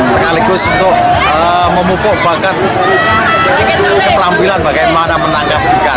sekaligus untuk memupuk bahkan ketampilan bagaimana menang